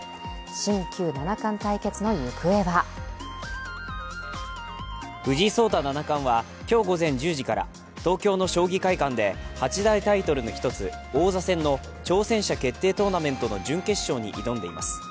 新旧七冠対決の行方は藤井聡太七冠は今日午前１０時から東京の将棋会館で８大タイトルの１つ、王座戦の挑戦者決定トーナメントの準決勝に挑んでいます。